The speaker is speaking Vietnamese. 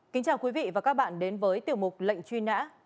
kính chào quý vị và các bạn đến với tiểu mục lệnh truy nã